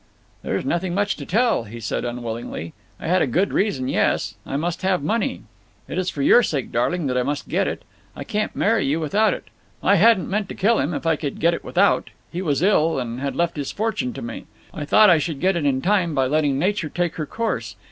"There's nothing much to tell," he said unwillingly. "I had a good reason, yes. I must have money. It is for your sake, darling, that I must get it. I can't marry you without it. I hadn't meant to kill him, if I could get it without. He was ill, and had left his fortune to me. I thought I should get it in time, by letting Nature take her course.